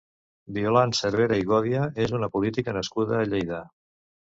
Violant Cervera i Gòdia és una política nascuda a Lleida.